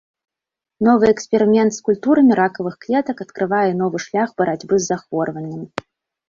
Новы эксперымент з культурамі ракавых клетак адкрывае новы шлях барацьбы з захворваннем.